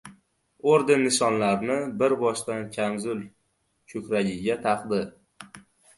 Orden-nishonlarni bir boshidan kamzul ko‘kragiga takdi.